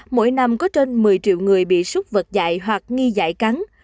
mỗi năm có trên một mươi triệu người bị súc vật dạy hoặc nghi dạy cắn